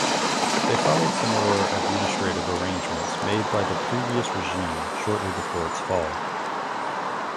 They followed similar administrative arrangements made by the previous regime shortly before its fall.